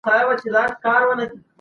په بازار کي شیان تبادله کیږي.